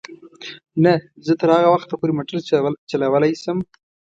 نه، زه تر هغه وخته پورې موټر چلولای شم.